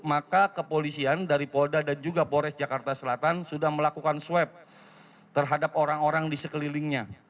maka kepolisian dari polda dan juga polres jakarta selatan sudah melakukan swab terhadap orang orang di sekelilingnya